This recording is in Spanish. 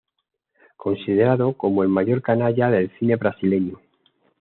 Considerado como el "Mayor canalla" del cine brasileño.